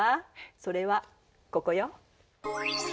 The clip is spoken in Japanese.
それはここよ。